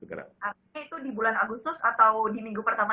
artinya itu di bulan agustus atau di minggu pertama